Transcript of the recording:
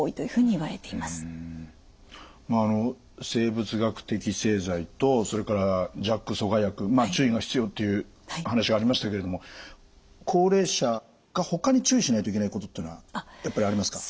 あの生物学的製剤とそれからＪＡＫ阻害薬注意が必要っていう話がありましたけれども高齢者がほかに注意しないといけないことっていうのはやっぱりありますか？